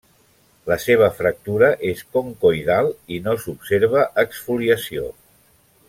La seva fractura és concoidal i no s'observa exfoliació.